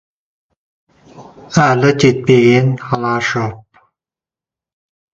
Қара бет жазылмайды, жара бет жазылады.